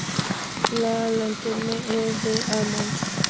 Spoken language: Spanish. La Lanterne-et-les-Armonts